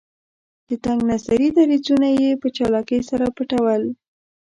د تنګ نظري دریځونه یې په چالاکۍ سره پټول.